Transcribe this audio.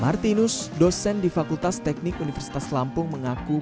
martinus dosen di fakultas teknik universitas lampung mengaku